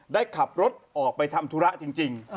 ได้ขับรถออกไปทำธุระจริง